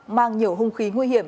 mang nhiều hung khí nguy hiểm